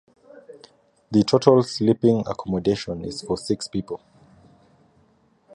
The total sleeping accommodation is for six people.